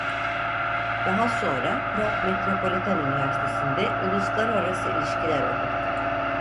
Daha sonra Prag Metropolitan Üniversitesi'nde uluslararası ilişkiler okudu.